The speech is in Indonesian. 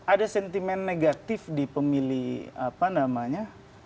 ada sentimen negatif di pemilih apa namanya